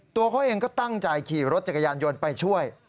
ตัวเขาเองก็ตั้งใจขี่รถจักรยานยนต์ไปช่วย